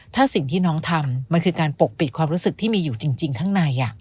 ถ้าสิ่งที่น้องทำมันคือการปกปิดความรู้สึกที่มีอยู่จริงข้างใน